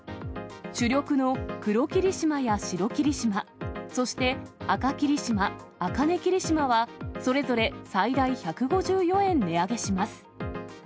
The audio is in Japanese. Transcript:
主力の黒霧島や白霧島、そして赤霧島、茜霧島は、それぞれ最大１５４円値上げします。